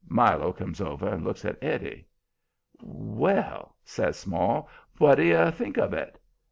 Milo comes over and looks at Eddie. "Well?" says Small. "What do you think of it?"